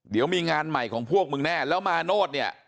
เดี๋ยวมีงานใหม่ของพวกมึงแน่แล้วมาโนธเนี่ย